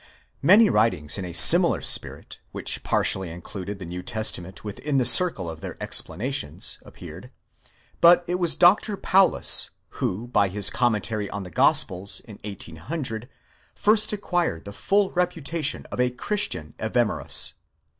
: Many writings in a similar spirit, which partially included the New Testa ment within the circle of their explanations, appeared ; but it was Dr. Paulus. who by his commentary on the Gospels? in 1800, first acquired the full reputa tion of a christian Evemerus.